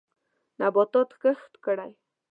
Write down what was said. نباتات کښت کړئ.